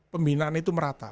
pembinaan itu merata